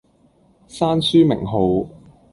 閂書名號